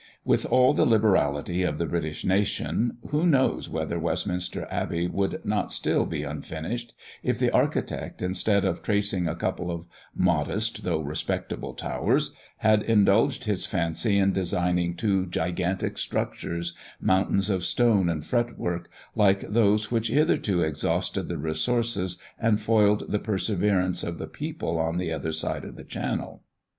With all the liberality of the British nation, who knows whether Westminster Abbey would not still be unfinished, if the architect, instead of tracing a couple of modest though respectable towers, had indulged his fancy in designing two gigantic structures, mountains of stone and fret work, like those which hitherto exhausted the resources and foiled the perseverance of the people on the other side of the channel.